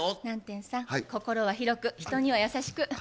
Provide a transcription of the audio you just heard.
南天さん心は広く人には優しく。